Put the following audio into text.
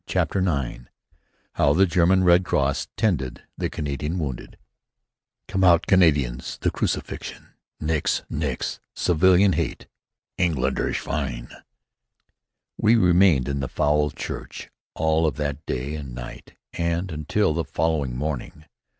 CHAPTER IX HOW THE GERMAN RED CROSS TENDED THE CANADIAN WOUNDED "Come Out Canadians!" The Crucifixion "Nix! Nix!" Civilian Hate "Engländer Schwein!" We remained in the fouled church all of that day and night and until the following morning.